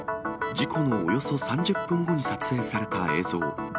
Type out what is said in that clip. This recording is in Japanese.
事故のおよそ３０分後に撮影された映像。